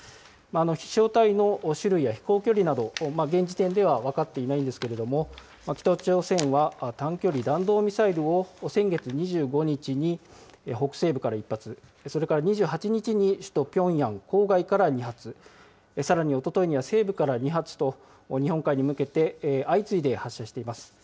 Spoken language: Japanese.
飛しょう体の種類や飛行距離など、現時点では分かっていないんですけれども、北朝鮮は短距離弾道ミサイルを先月２５日に北西部から１発、それから２８日に首都ピョンヤン郊外から２発、さらにおとといには西部から２発と、日本海に向けて、相次いで発射しています。